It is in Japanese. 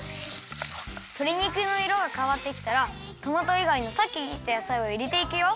とり肉のいろがかわってきたらトマトいがいのさっき切った野菜をいれていくよ。